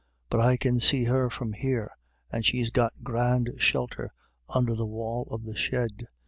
But I can see her from here, and she's got grand shelter under the wall of the shed.